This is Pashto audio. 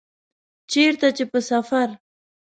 چیرته چي په سفر